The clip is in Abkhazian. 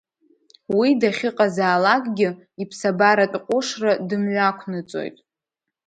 Уи дахьыҟазаалакгьы иԥсабаратә ҟәышра дымҩақәнаҵоит.